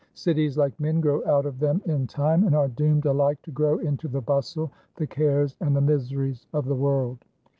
Cities, like men, grow out of them in time and are doomed alike to grow into the bustle, the cares and the miseries of the world."